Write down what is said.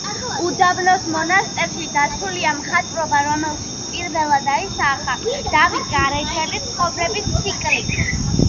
უდაბნოს მონასტერში დაცულია მხატვრობა, რომელშიც პირველად აისახა დავით გარეჯელის ცხოვრების ციკლი.